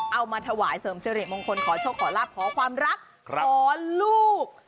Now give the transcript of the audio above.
เอามาถวายเสริมสิริมงคลขอโชคขอลาบขอความรักขอลูก